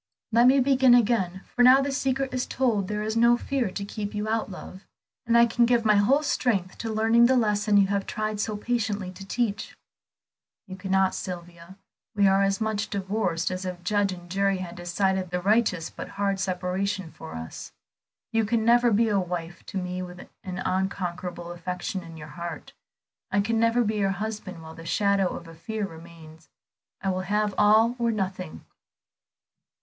Let me begin again, for now the secret is told there is no fear to keep out love; and I can give my whole strength to learning the lesson you have tried so patiently to teach." "You cannot, Sylvia. We are as much divorced as if judge and jury had decided the righteous but hard separation for us. You can never be a wife to me with an unconquerable affection in your heart; I can never be your husband while the shadow of a fear remains. I will have all or nothing."